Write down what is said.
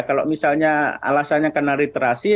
kalau misalnya alasannya karena literasi